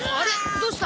どうした？